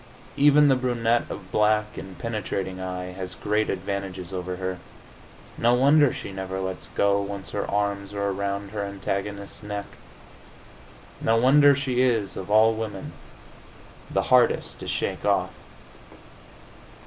Even the brunette of black and penetrating eye has great advantages over her. No wonder she never lets go, once her arms are around her antagonist's neck! No wonder she is, of all women, the hardest to shake off!